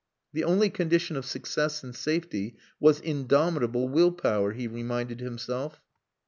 The only condition of success and safety was indomitable will power, he reminded himself.